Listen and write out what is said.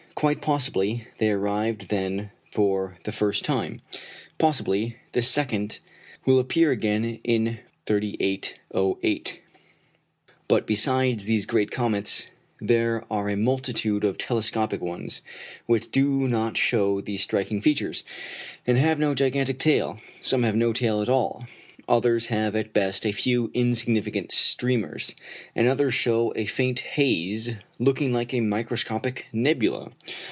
Quite possibly they arrived then for the first time. Possibly the second will appear again in 3808. But besides these great comets, there are a multitude of telescopic ones, which do not show these striking features, and have no gigantic tail. Some have no tail at all, others have at best a few insignificant streamers, and others show a faint haze looking like a microscopic nebula.